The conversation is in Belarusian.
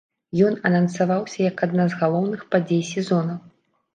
Ён анансаваўся як адна з галоўных падзей сезона.